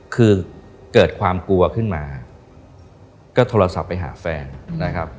คือเกิดความกลัวขึ้นมาก็โทรศัพท์ไปหาแฟนนะครับ